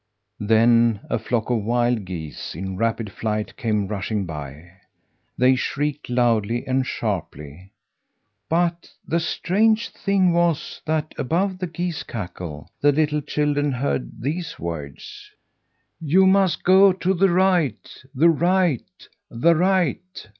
Then a flock of wild geese in rapid flight came rushing by. They shrieked loudly and sharply; but the strange thing was that above the geese cackle the little children heard these words: "You must go to the right, the right, the right!"